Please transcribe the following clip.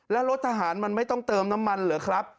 แล้วรถทหารมันไม่ต้องเติมน้ำมันเหรอครับ